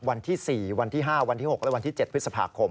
วันที่๔วันที่๕วันที่๖และวันที่๗พฤษภาคม